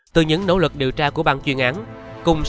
từ những nỗ lực điều tra của bang chuyên án